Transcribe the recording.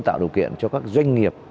tạo điều kiện cho các doanh nghiệp